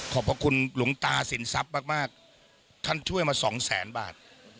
พระคุณหลวงตาสินทรัพย์มากท่านช่วยมาสองแสนบาท